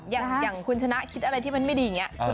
อย่างคุณชนะคิดอะไรที่มันไม่ดีอย่างนี้